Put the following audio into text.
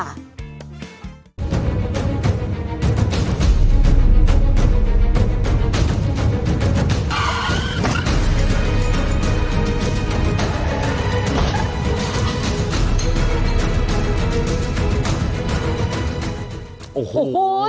โอ้โห